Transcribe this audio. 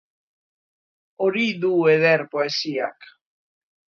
Hori du eder poesiak.